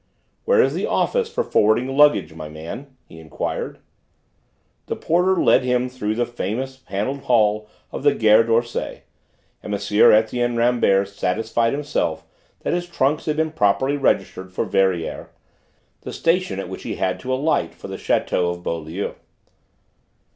"Where is the office for forwarding luggage, my man?" he enquired. The porter led him through the famous panelled hall of the Gare d'Orsay, and M. Etienne Rambert satisfied himself that his trunks had been properly registered for Verrières, the station at which he had to alight for the château of Beaulieu.